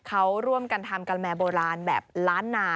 เขาร่วมกันทำกาแมโบราณแบบล้านนา